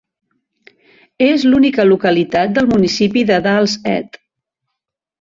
És l'única localitat del municipi de Dals-Ed.